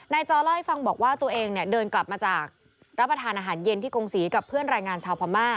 จอเล่าให้ฟังบอกว่าตัวเองเนี่ยเดินกลับมาจากรับประทานอาหารเย็นที่กงศรีกับเพื่อนรายงานชาวพม่า